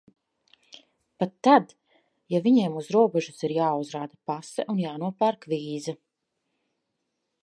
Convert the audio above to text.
Pat tad, ja viņiem uz robežas ir jāuzrāda pase un jānopērk vīza.